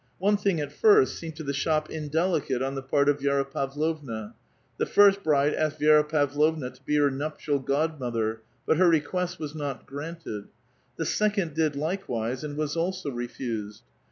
One thing at first seemed to the shop indelicate on the part of Vi^ra Pavlovna : the first bride asked Vi^ra Pavlovna to be her nuptial god mother, but her request was not granted ; the second did likewise, and was also refused.